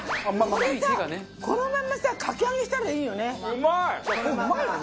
これさこのまんまさかき揚げにしたらいいよね。